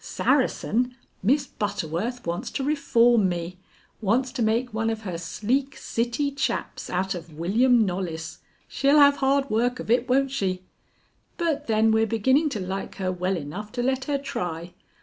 Saracen, Miss Butterworth wants to reform me; wants to make one of her sleek city chaps out of William Knollys. She'll have hard work of it, won't she? But then we're beginning to like her well enough to let her try.